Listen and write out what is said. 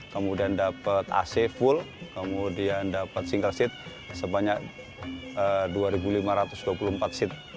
kemudian dapat ac full kemudian dapat single seat sebanyak dua lima ratus dua puluh empat seat